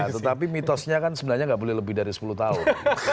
tetapi mitosnya kan sebenarnya nggak boleh lebih dari sepuluh tahun